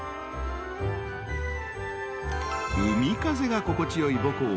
［海風が心地よい母校は］